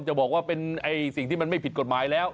จะบอกว่าเป็นสิ่งที่มันไม่ผิดกฎหมายแล้ว